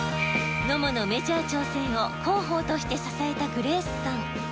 野茂のメジャー挑戦を広報として支えたグレースさん。